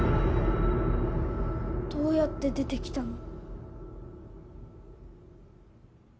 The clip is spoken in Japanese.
どうやって出てきたの？